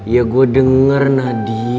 ya gue denger nadya